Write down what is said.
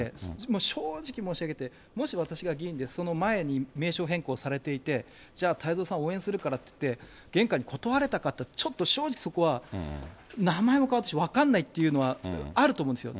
もう正直申し上げて、もし私が議員で、その前に名称変更されていて、じゃあ太蔵さん、応援するからって言って、げんかに断られたかって言ったら、ちょっと正直そこは名前も変わったし、分からないというのはあると思うんですよ。